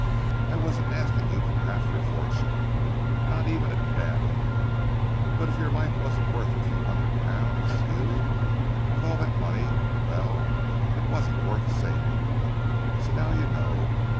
I wasn't asking you for half your fortune, nor even a dab of it, but if your life wasn't worth a few hundred pounds you, with all that money well, it wasn't worth saving. So now you know.